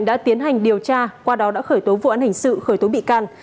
đã tiến hành điều tra qua đó đã khởi tố vụ án hình sự khởi tố bị can